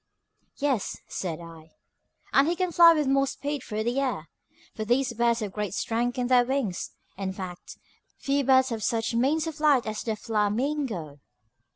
"Yes," said I, "and he can fly with more speed through the air, for these birds have great strength in their wings. In fact, few birds have such means of flight as the FLA MIN GO."